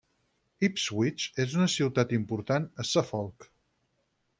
Ipswich és una ciutat important a Suffolk.